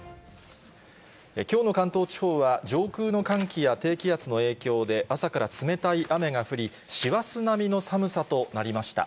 きょうの関東地方は、上空の寒気や低気圧の影響で、朝から冷たい雨が降り、師走並みの寒さとなりました。